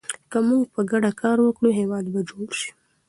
که موږ په ګډه کار وکړو، هېواد به جوړ شي.